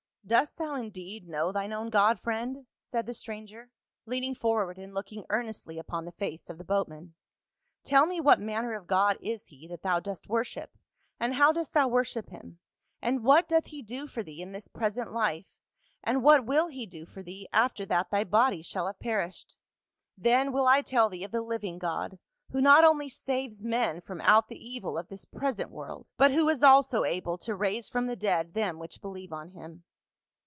"Dost thou indeed know thine own god, friend?" said the stranger, leaning forward and looking earnestly upon the face of the boatman. "Tell me what man ner of god is he that thou dost worship, and how dost thou worship him ; what doth he do for thee in this present life, and what will he do for thee after that thy body shall have perished ? Then will I tell thee of the living God, who not only saves men from out the evil of this present world, but who is also able to raise from the dead them which believe on him."